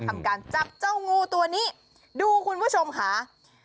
ทำการจับเจ้างูตัวนี้ดูคุณผู้ชมค่ะ